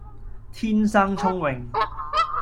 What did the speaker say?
天生聰穎